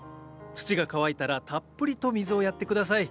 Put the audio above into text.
土が乾いたらたっぷりと水をやって下さい。